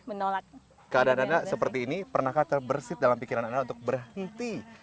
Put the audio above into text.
menolak keadaan anda seperti ini pernahkah terbersih dalam pikiran anda untuk berhenti